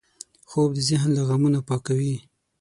خوب د ذهن له غمونو پاکوي